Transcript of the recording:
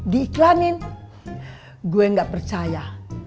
diiklanin gue gak percaya